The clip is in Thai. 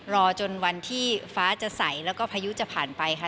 รอจนวันที่ฟ้าจะใสแล้วก็พายุจะผ่านไปค่ะ